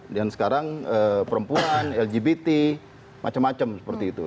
dan sekarang perempuan lgbt macam macam seperti itu